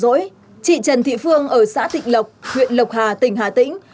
trong vụ án lừa đảo này chị trần thị phương ở xã thịnh lộc huyện lộc hà tỉnh hà tĩnh